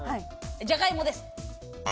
ジャガイモです。